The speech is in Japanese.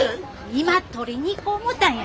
今取りに行こ思たんや。